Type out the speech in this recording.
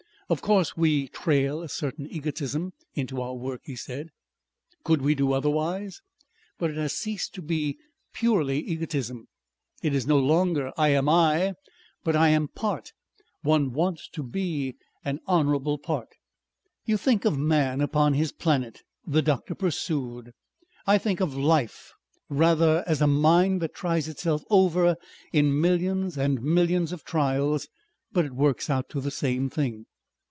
"Of course we trail a certain egotism into our work," he said. "Could we do otherwise? But it has ceased to be purely egotism. It is no longer, 'I am I' but 'I am part.'... One wants to be an honourable part." "You think of man upon his planet," the doctor pursued. "I think of life rather as a mind that tries itself over in millions and millions of trials. But it works out to the same thing."